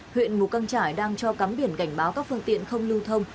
huyện mù căng trải đang cho cắm biển cảnh báo các phương tiện không lưu thông